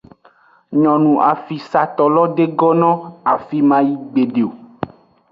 Nyonu afisato lo de gonno afime mayi gbede o.